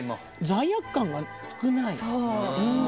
罪悪感が少ないうん・